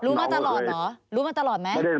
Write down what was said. มาตลอดเหรอรู้มาตลอดไหม